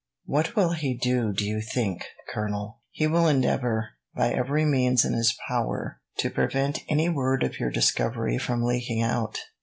"What will he do, do you think, Colonel?" "He will endeavour, by every means in his power, to prevent any word of your discovery from leaking out.